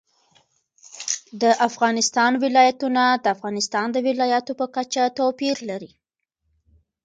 د افغانستان ولايتونه د افغانستان د ولایاتو په کچه توپیر لري.